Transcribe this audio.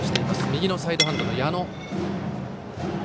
右のサイドハンドの矢野。